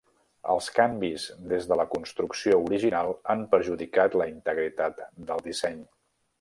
Els canvis des de la construcció original han perjudicat la integritat del disseny.